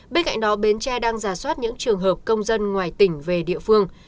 bên cạnh đó bến tre đang giả soát những trường hợp công dân ngoài tỉnh về địa phương